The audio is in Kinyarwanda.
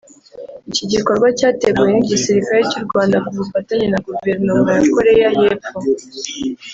Iki gikorwa cyateguwe n’igisirikare cy’u Rwanda ku bufatanye na Guverinoma ya Koreya y’Epfo